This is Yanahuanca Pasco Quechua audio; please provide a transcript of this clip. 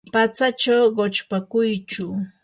patsachaw quchpakuychu.